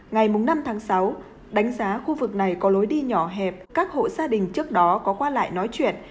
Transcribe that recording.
ngày năm tháng sáu đánh giá khu vực này có lối đi nhỏ hẹp các hộ gia đình trước đó có qua lại nói chuyện